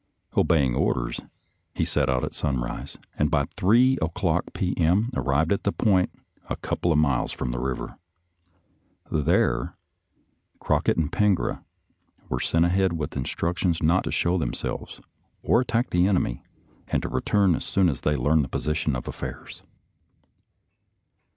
Obeying orders, he set out at sunrise, and by 3 o'clock p. M. arrived at a point a couple of miles from the river. There, Crockett and Pengra were sent ahead with instructions not to show themselves, or attack the enemy, and to return as soon as they learned the position of affairs.